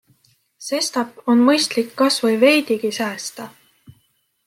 Sestap on mõistlik kasvõi veidigi säästa.